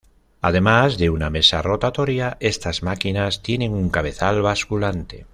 Además de una mesa rotatoria, estas máquinas tienen un cabezal basculante.